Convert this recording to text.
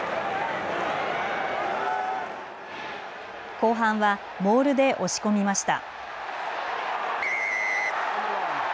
後半はモールで押し込みました。